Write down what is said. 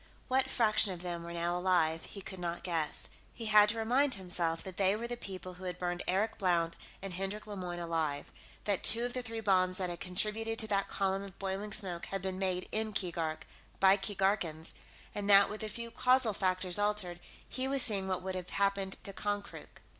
What fraction of them were now alive, he could not guess. He had to remind himself that they were the people who had burned Eric Blount and Hendrik Lemoyne alive; that two of the three bombs that had contributed to that column of boiling smoke had been made in Keegark, by Keegarkans, and that, with a few causal factors altered, he was seeing what would have happened to Konkrook.